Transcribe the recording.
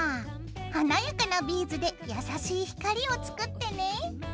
華やかなビーズで優しい光を作ってね。